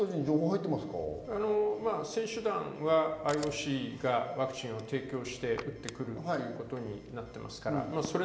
選手団はＩＯＣがワクチンを提供して打ってくるということになっています。